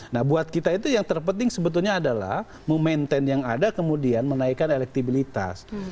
nah buat kita itu yang terpenting sebetulnya adalah memaintain yang ada kemudian menaikkan elektabilitas